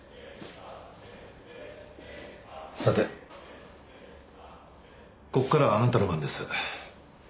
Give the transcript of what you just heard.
さてここからはあなたの番です。